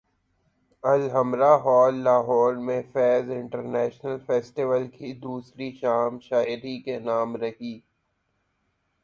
Alhamra hall Lahore میں Faiz international festival کی دوسری شام شاعری کے نام رہی